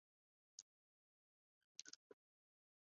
崇宁二年进士。